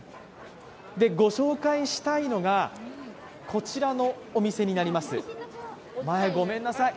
ご紹介したいのが、こちらのお店になります。